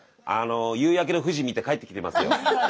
夕焼けの富士見て帰ってきてますよ。